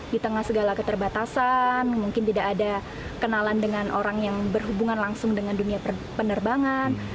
di tengah segala keterbatasan mungkin tidak ada kenalan dengan orang yang berhubungan langsung dengan dunia penerbangan